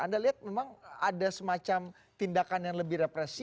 anda lihat memang ada semacam tindakan yang lebih represif